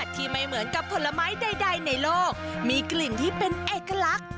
ที่ไม่เหมือนกับผลไม้ใดในโลกมีกลิ่นที่เป็นเอกลักษณ์